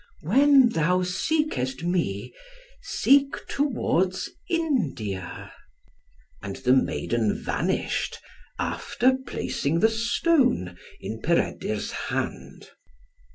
"When thou seekest me, seek towards India." And the maiden vanished, after placing the stone in Peredur's hand.